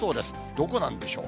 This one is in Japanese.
どこなんでしょう。